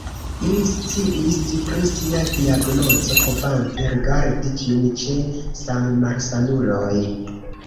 Ili sciis pri sia diagnozo, povante rigardi ĝin ĉe sammalsanuloj.